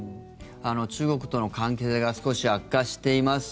中国との関係が少し悪化しています。